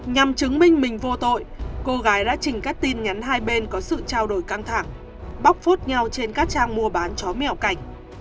nhằm chứng minh mình vô tội cô gái đã trình các tin nhắn hai bên có sự trao đổi căng thẳng bóc phút nhau trên các trang mua bán chó mèo cảnh